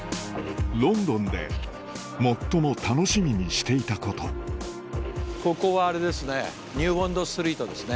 ロンドンで最も楽しみにしていたことここはあれですねニューボンドストリートですね。